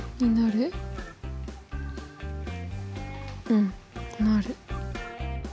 うんなる。